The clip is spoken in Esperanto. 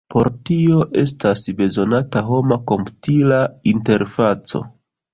Por tio estas bezonata homa-komputila interfaco.